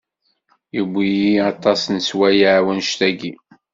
Yewwi-yi aṭas n sswayeɛ wanect-aki.